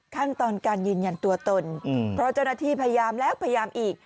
ขั้นตอนการยืนยันตัวตนเพราะเจ้าหน้าที่พยายามแล้วพยายามอีก